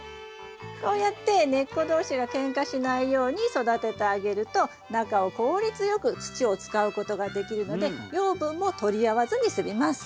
こうやって根っこ同士がけんかしないように育ててあげると中を効率よく土を使うことができるので養分も取り合わずに済みます。